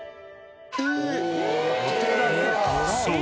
［そう。